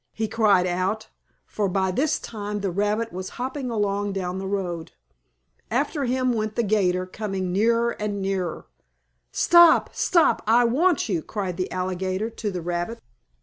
he cried out, for by this time the rabbit was hopping along down the road. After him went the 'gator, coming nearer and nearer. "Stop! Stop! I want you!" cried the alligator to the rabbit.